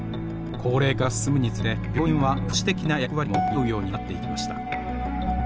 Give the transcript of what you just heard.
高齢化が進むにつれて病院は福祉的な役割も担うようになっていきました。